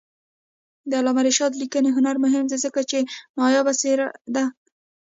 د علامه رشاد لیکنی هنر مهم دی ځکه چې نایابه څېره ده.